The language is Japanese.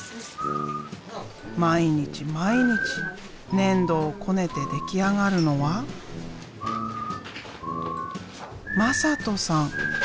毎日毎日粘土をこねて出来上がるのは「まさとさん」。